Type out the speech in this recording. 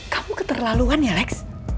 kamu keterlaluan ya lex